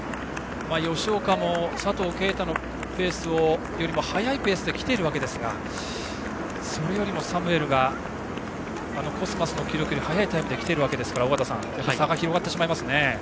吉岡も、佐藤圭汰のペースよりも速いペースで来ているわけですがそれよりもサムエルがコスマスの記録よりも早いタイムできているわけですから差が広がってしまいますね。